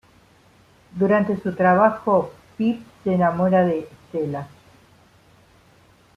Durante su trabajo Pip se enamora de Estella.